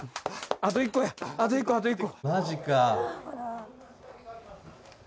あと１個あと１個。